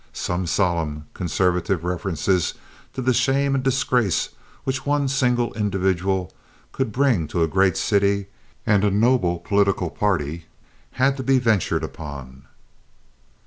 Some solemn, conservative references to the shame and disgrace which one single individual could bring to a great city and a noble political party had to be ventured upon.